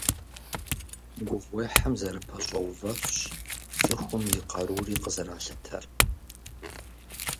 Гугъуехьым зэрыпэщӀэувэфщ цӀыхум и къарури къызэралъытэр.